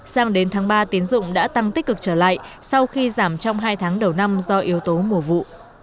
sang đến tháng ba tín dụng đã tăng tích cực trở lại sau khi giảm trong hai tháng đầu năm do yếu tố mùa vụ